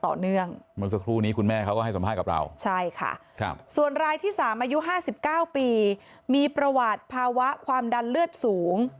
ต่อเนื่องส่วนรายที่๓อายุ๕๙ปีมีประวัติภาวะความดันเลือดสูง